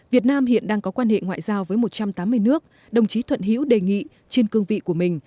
việt nam hiện đang có quan hệ ngoại giao với một trăm tám mươi nước đồng chí thuận hữu đề nghị trên cương vị của mình